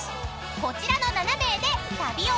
［こちらの７名で旅を満喫！］